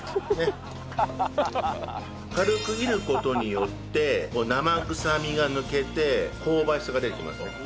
軽く炒る事によって生ぐさみが抜けて香ばしさが出てきますね。